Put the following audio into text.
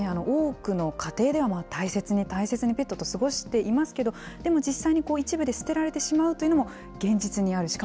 多くの家庭では、大切に大切にペットと過ごしていますけれども、でも実際にこう一部で捨てられてしまうというのも、現実にある。